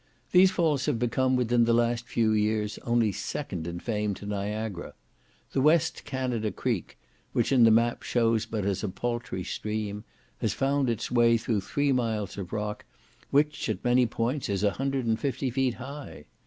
These falls have become within the last few years only second in fame to Niagara. The West Canada Creek, which in the map shows but as a paltry stream, has found its way through three miles of rock, which, at many points, is 150 feet high.